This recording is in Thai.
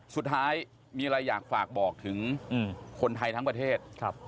สุดท้ายมีอะไรอยากฝากบอกถึงคนไทยทั้งประเทศ